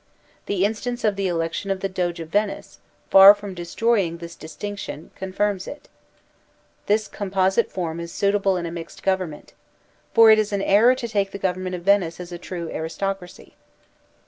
The instance of the election of the Doge of Venice, far from destroying this distinction, confirms it; this com posite form is suitable in a mixed government For it is an error to take the government of Venice as a true aristocracy.